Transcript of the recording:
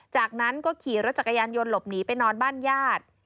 จากนั้นก็ขี่รถจักรยานยนต์หลบหนีไปนอนบ้านญาติ